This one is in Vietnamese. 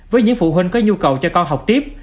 với những phụ huynh có nhu cầu cho con học tiếp